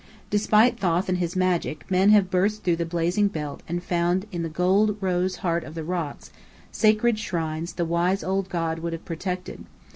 Despite Thoth and his magic, men have burst through the blazing belt and found in the gold rose heart of the rocks, sacred shrines the wise old god would have protected.